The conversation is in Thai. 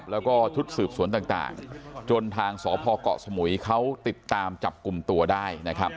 แล้วก็ชุดสืบสวนต่างจนทางสพเกาะสมุยเขาติดตามจับกลุ่มตัวได้นะครับ